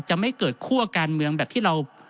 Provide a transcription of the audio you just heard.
ไม่เกิดคั่วการเมืองแบบที่เรา